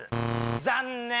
残念！